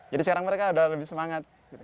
jadi sekarang mereka sudah lebih semangat